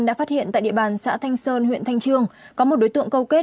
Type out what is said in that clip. đã phát hiện tại địa bàn xã thanh sơn huyện thanh trương có một đối tượng câu kết